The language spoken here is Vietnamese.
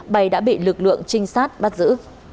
bay đã bị lực lượng trinh sát bắt giữ